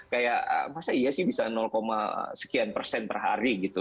kayak masa iya sih bisa sekian persen per hari gitu